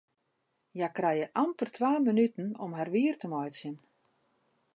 Hja krije amper twa minuten om har wier te meitsjen.